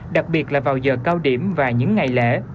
đặc biệt là vào giờ cao điểm và những ngày lễ